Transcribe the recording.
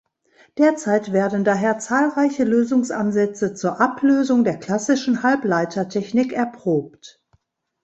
Derzeit werden daher zahlreiche Lösungsansätze zur Ablösung der klassischen Halbleitertechnik erprobt.